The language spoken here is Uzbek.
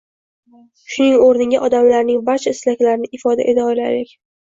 Shuning o’rniga, odamlarning barcha istaklarini ifoda eta olaylik.